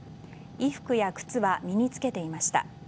衣服や靴は身に着けていました。